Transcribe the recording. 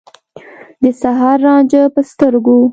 د سحر رانجه په سترګو